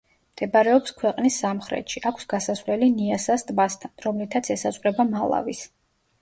მდებარეობს ქვეყნის სამხრეთში, აქვს გასასვლელი ნიასას ტბასთან, რომლითაც ესაზღვრება მალავის.